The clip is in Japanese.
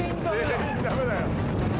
「全員ダメだよ」